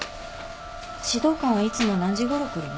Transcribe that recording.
指導官はいつも何時ごろ来るの？